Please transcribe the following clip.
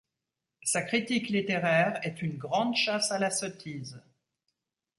Sa critique littéraire est une grande chasse à la sottise.